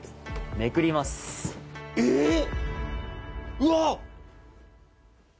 うわっ！